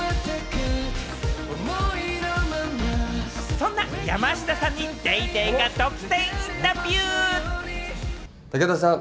そんな山下さんに『ＤａｙＤａｙ．』が独占インタビュー！